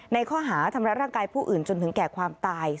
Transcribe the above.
ในข้อหาทำร้ายร่างกายผู้อื่นจนถึงแก่ความตาย